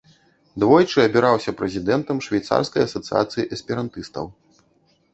Двойчы абіраўся прэзідэнтам швейцарскай асацыяцыі эсперантыстаў.